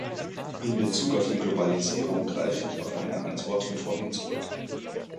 In Bezug auf die Globalisierung greife ich auf meine Antwort von vorhin zurück.